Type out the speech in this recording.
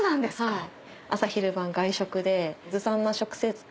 はい。